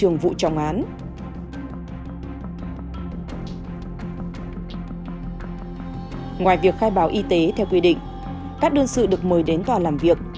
ngoài việc khai báo y tế theo quy định các đương sự được mời đến tòa làm việc